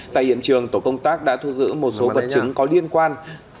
tại hiện trường tổ công tác đã thu giữ một số vật chứng có liên quan